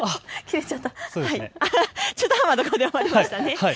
中途半端なところで終わりましたね。